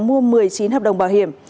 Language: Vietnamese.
mua một mươi chín hợp đồng bảo hiểm